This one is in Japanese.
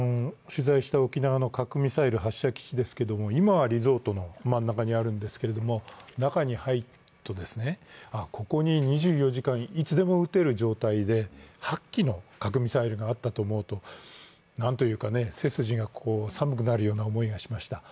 取材した沖縄の核ミサイル発射基地ですけれども、今はリゾートの真ん中にあるんですけれども中に入ると、ああ、ここに２４時間、いつでも撃てる状態で８基の核ミサイルがあったと思うとなんというか、背筋が寒くなるような思いがしました。